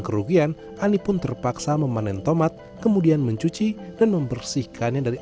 kerugian ani pun terpaksa memanen tomat kemudian mencuci dan membersihkannya dari